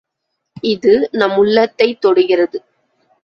இது, நம் உள்ளத்தைத் தொடுகிறது.